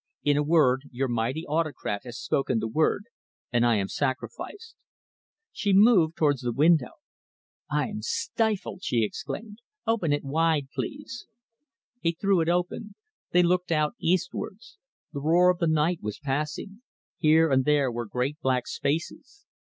In a word, your mighty autocrat has spoken the word, and I am sacrificed." She moved towards the window. "I am stifled!" she exclaimed. "Open it wide, please." He threw it open. They looked out eastwards. The roar of the night was passing. Here and there were great black spaces.